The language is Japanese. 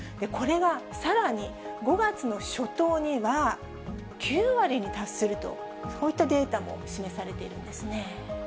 これがさらに５月の初頭には、９割に達すると、そういったデータも示されているんですね。